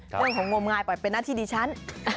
เรื่องของงมงายปล่อยเป็นหน้าที่ดิฉัน